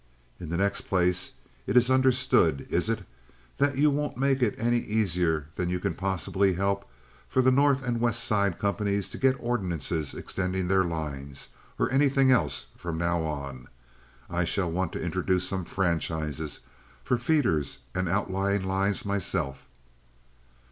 "In the next place, it is understood, is it, that you won't make it any easier than you can possibly help for the North and West Side companies to get ordinances extending their lines, or anything else, from now on? I shall want to introduce some franchises for feeders and outlying lines myself."